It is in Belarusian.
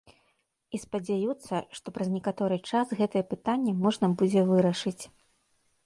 І спадзяюцца, што праз некаторы час гэтае пытанне можна будзе вырашыць.